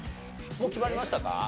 もう決まりましたか？